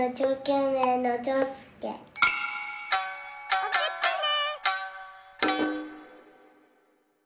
おくってね。